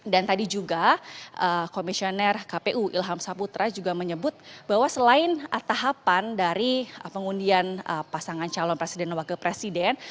dan tadi juga komisioner kpu ilham saputra juga menyebut bahwa selain tahapan dari pengundian pasangan calon presiden dan wakil presiden